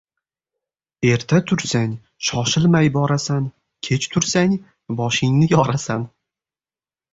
• Erta tursang — shoshilmay borasan, kech tursang — boshingni yorasan.